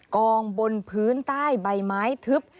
กองบนพื้นใต้ใบไม้ทึบ